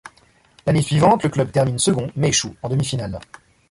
L'année suivante, le club termine second mais échoue en demi-finale.